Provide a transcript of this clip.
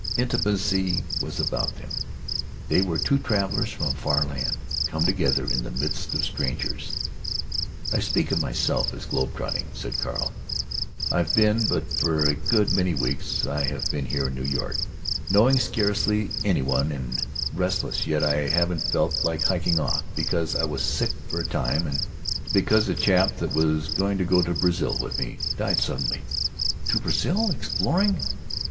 Intimacy was about them. They were two travelers from a far land, come together in the midst of strangers. "I speak of myself as globe trotting," said Carl. "I have been. But for a good many weeks I've been here in New York, knowing scarcely any one, and restless, yet I haven't felt like hiking off, because I was sick for a time, and because a chap that was going to Brazil with me died suddenly." "To Brazil? Exploring?"